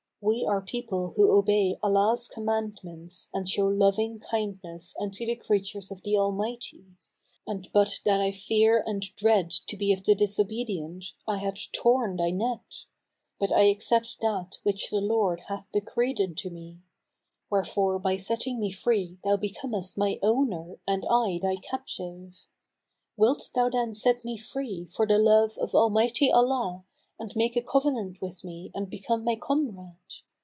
We are people who obey Allah's commandments and show loving kindness unto the creatures of the Almighty, and but that I fear and dread to be of the disobedient, I had torn thy net; but I accept that which the Lord hath decreed unto me; wherefore by setting me free thou becomest my owner and I thy captive. Wilt thou then set me free for the love[FN#243] of Almighty Allah and make a covenant with me and become my comrade?